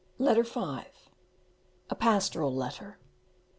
Letter V: A pastoral letter.